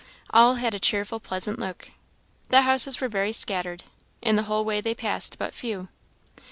All had a cheerful, pleasant look. The houses were very scattered; in the whole way they passed but few.